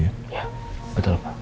iya betul pak